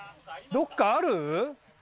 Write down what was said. どっかある？